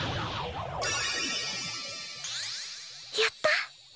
やった。